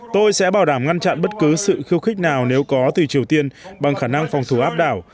tôi sẽ bảo đảm ngăn chặn bất cứ sự khiêu khích nào nếu có từ triều tiên bằng khả năng phòng thủ áp đảo